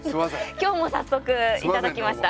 今日も早速いただきました。